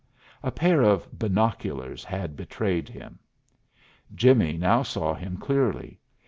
A pair of binoculars had betrayed him. Jimmie now saw him clearly.